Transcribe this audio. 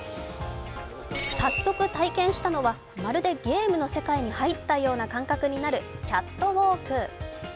早速、体験したのは、まるでゲームの世界に入ったような感覚になるキャットウォーク。